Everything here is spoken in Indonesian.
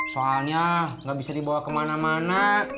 soalnya nggak bisa dibawa kemana mana